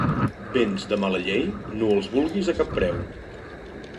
Béns de mala llei, no els vulguis a cap preu.